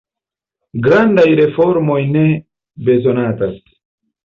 Grandaj reformoj ne bezonatas.